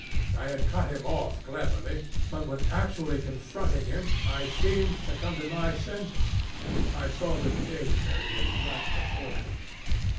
I had cut him off cleverly; but when actually confronting him I seemed to come to my senses, I saw the danger in its right proportion.